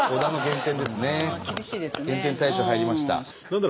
減点対象入りました。